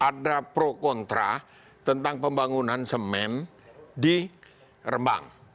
ada pro kontra tentang pembangunan semen di rembang